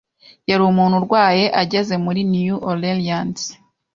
Yari umuntu urwaye ageze muri New Orleans.